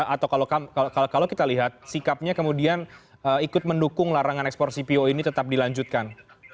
atau kalau kita lihat sikapnya kemudian ikut mendukung larangan ekspor cpo ini tetap dilanjutkan